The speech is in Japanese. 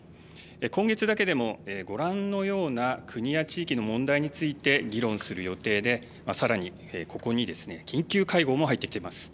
今月だけでも、ご覧のような国や地域の問題について議論する予定でさらに、ここにですね緊急会合も入ってきています。